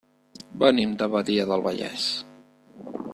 Venim de Badia del Vallès.